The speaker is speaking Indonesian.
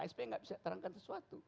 ksp enggak bisa terangkan sesuatu